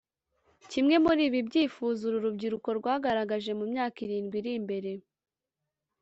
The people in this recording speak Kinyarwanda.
Kimwe muri ibi byifuzo uru rubyiruko rwagaragaje mu myaka irindwi iri imbere